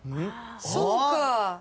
そうか。